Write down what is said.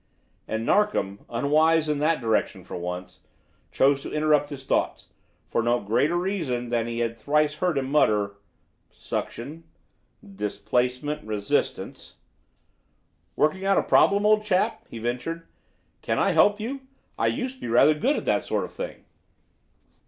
And Narkom, unwise in that direction for once, chose to interrupt his thoughts, for no greater reason than that he had thrice heard him mutter, "Suction displacement resistance." "Working out a problem, old chap?" he ventured. "Can I help you? I used to be rather good at that sort of thing."